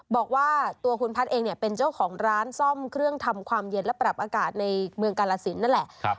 บอกว่าตัวคุณพัฒน์เองเนี่ยเป็นเจ้าของร้านซ่อมเครื่องทำความเย็นและปรับอากาศในเมืองกาลสินนั่นแหละ